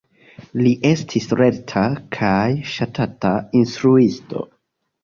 Li estis lerta kaj ŝatata instruisto.